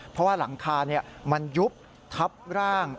เพราะว่าหลังคามันยุบทับร่าง